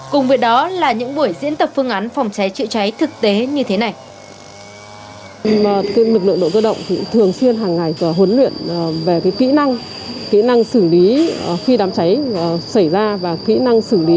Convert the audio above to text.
cùng với đó là những buổi diễn tập phương án phòng cháy chữa cháy thực tế như thế này